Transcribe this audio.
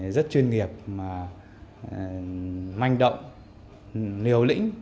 rất chuyên nghiệp manh động liều lĩnh